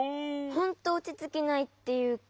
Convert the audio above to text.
ほんとおちつきないっていうか。